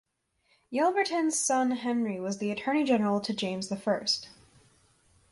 Yelverton's son Henry was Attorney-General to James the First.